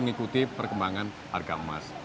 mengikuti perkembangan harga emas